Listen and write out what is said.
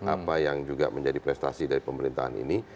apa yang juga menjadi prestasi dari pemerintahan ini